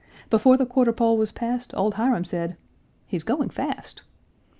Before the quarter pole was past, Old Hiram said, "He's going fast."